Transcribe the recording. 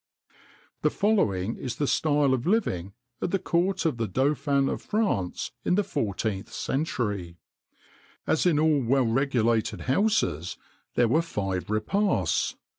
The following is the style of living at the court of the Dauphin of France in the 14th century: As in all well regulated houses, there were five repasts, viz.